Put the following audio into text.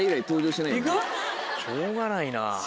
行く？しょうがないな。